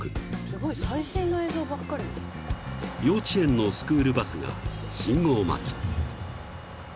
［幼稚園のスクールバスが信号待ち］